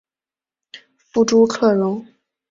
父朱克融。